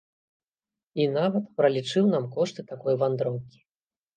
І нават пралічыў нам кошты такой вандроўкі.